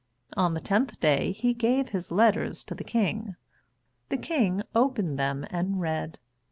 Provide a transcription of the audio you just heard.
On the tenth day he gave his letters to the King. The King opened them and read.